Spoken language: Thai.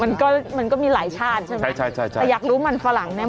มันก็มันก็มีหลายชาติใช่ไหมใช่ใช่ใช่แต่อยากรู้มันฝรั่งแ